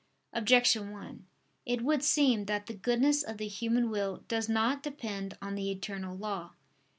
Objection 1: It would seem that the goodness of the human will does not depend on the eternal law.